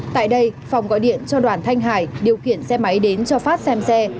tại đây phóng gọi điện cho đoàn thanh hải điều kiện xe máy đến cho phát xem xe